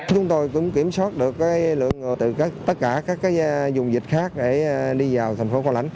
chúng tôi cũng kiểm soát được lượng từ tất cả các dùng dịch khác để đi vào thành phố cao lãnh